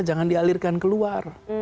jangan dialirkan keluar